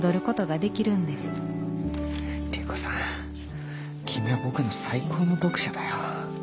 隆子さん君は僕の最高の読者だよ。